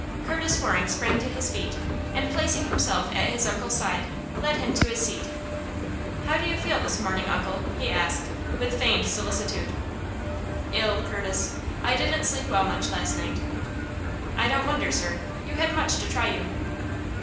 Curtis Waring sprang to his feet, and placing himself at his uncle's side, led him to his seat. "How do you feel this morning, uncle?" he asked, with feigned solicitude. "Ill, Curtis. I didn't sleep well last night." "I don't wonder, sir. You had much to try you."